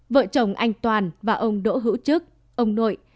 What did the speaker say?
vợ chồng anh toàn và ông đỗ hữu chứ ông nội